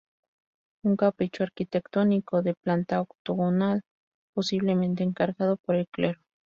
Un capricho arquitectónico de planta octogonal posiblemente encargado por el Clero.